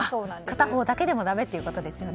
片方だけでもだめということですよね。